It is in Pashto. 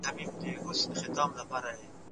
خوشحالي په پیسو نه رانیول کیږي.